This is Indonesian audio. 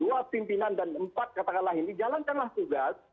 dua pimpinan dan empat katakanlah ini jalankanlah tugas